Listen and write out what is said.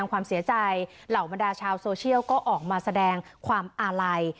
ความเสียใจเหล่าบรรดาชาวโซเชียลก็ออกมาแสดงความอาลัย